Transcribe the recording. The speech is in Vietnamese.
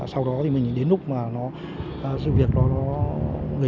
sau đó thì mình đến lúc mà sự việc đó nó